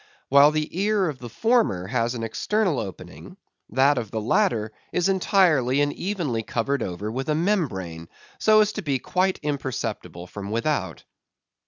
While the ear of the former has an external opening, that of the latter is entirely and evenly covered over with a membrane, so as to be quite imperceptible from without.